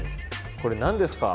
これ何ですか？